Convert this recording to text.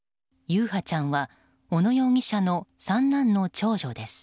優陽ちゃんは小野容疑者の三男の長女です。